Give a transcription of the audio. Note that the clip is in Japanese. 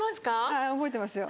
はい覚えてますよ。